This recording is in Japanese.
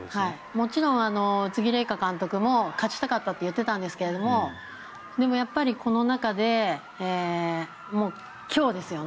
もちろん宇津木麗華監督も勝ちたかったって言っていたんですけどでも、この中で今日ですよね。